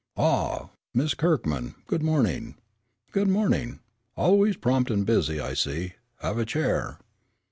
"Ah, Miss Kirkman, good morning! Good morning! Always prompt and busy, I see. Have a chair."